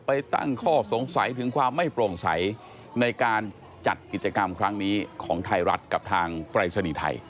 ตั้งข้อสงสัยถึงความไม่โปร่งใสในการจัดกิจกรรมครั้งนี้ของไทยรัฐกับทางปรายศนีย์ไทย